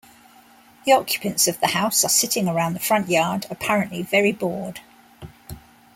The occupants of the house are sitting around the front yard apparently very bored.